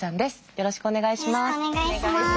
よろしくお願いします。